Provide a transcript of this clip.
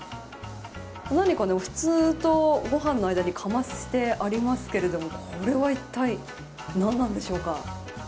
何か、おひつとご飯の間にかませてありますけどこれはいったい何なんでしょうか。